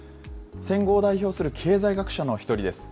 戦後を代表する経済学者の１人です。